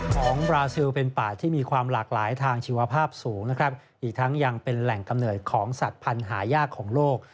ของบราซิลเป็นป่าที่มีความหลากหลายทางชีวภาพสูงนะครับอีกทั้งยังเป็นแหล่งกำเนิดของสัตว์พันธุ์หายากของโลก